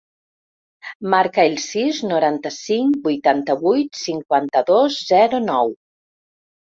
Marca el sis, noranta-cinc, vuitanta-vuit, cinquanta-dos, zero, nou.